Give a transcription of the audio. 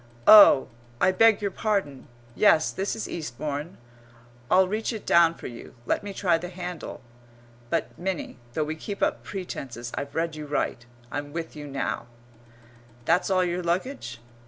"Oh, I beg your pardon! Yes, this is Eastbourne. I'll reach it down for you. Let me try the handle." [But, Minnie, though we keep up pretences, I've read you right I'm with you now]. "That's all your luggage?"